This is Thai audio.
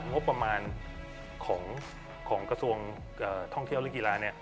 งบประมาณของกระทรวงท่องเที่ยวและกีฬาเนี่ย